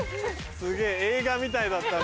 すげぇ映画みたいだったな。